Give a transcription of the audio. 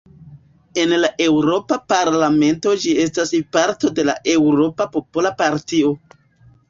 En la Eŭropa Parlamento ĝi estas parto de la Eŭropa Popola Partio.